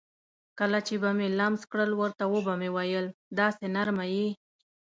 کله چې به مې لمس کړل ورته به مې وویل: داسې نرمه یې.